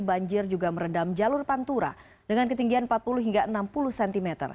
banjir juga merendam jalur pantura dengan ketinggian empat puluh hingga enam puluh cm